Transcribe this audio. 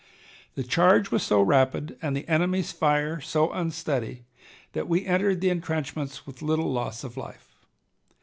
The charge was so rapid and the enemy's fire so unsteady, that we entered the intrenchments with little loss of life.